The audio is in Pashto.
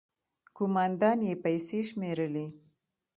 ، کومندان يې پيسې شمېرلې.